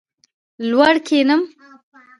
لوړ کښېنم.